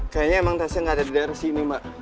kayaknya emang tasnya nggak ada di daerah sini mbak